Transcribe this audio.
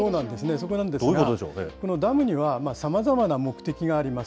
そこなんですが、このダムにはさまざまな目的があります。